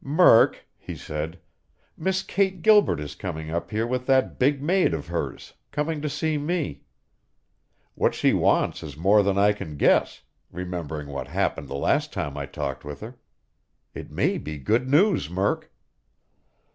"Murk," he said, "Miss Kate Gilbert is coming up here with that big maid of hers coming to see me. What she wants is more than I can guess, remembering what happened the last time I talked with her. It may be good news, Murk!"